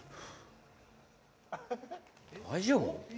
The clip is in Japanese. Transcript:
大丈夫？